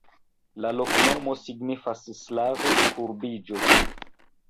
La loknomo signifas slave: kurbiĝo.